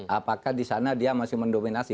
apakah di sana dia masih mendominasi